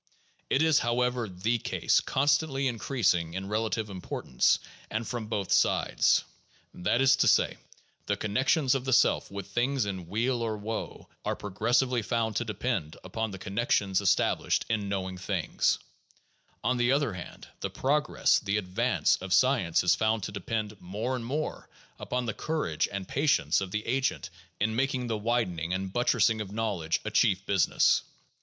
It is, however, the case constantly increasing in relative importance, and from both sides. That is to say, the connections of the self with things in weal or woe are progressively found to depend upon the connections es tablished in knowing things : on the other hand, the progress, the ad vance, of science is found to depend more and more upon the courage and patience of the agent in making the widening and buttressing of knowledge a chief business.